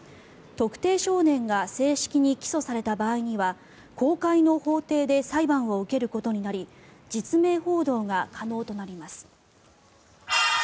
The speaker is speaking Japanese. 特定少年が正式に起訴された場合には公開の法廷で裁判を受けることになり実名報道が可能となります。